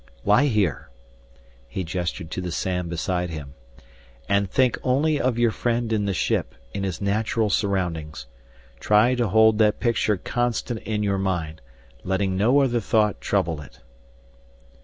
Lie here," he gestured to the sand beside him, "and think only of your friend in the ship, in his natural surroundings. Try to hold that picture constant in your mind, letting no other thought trouble it."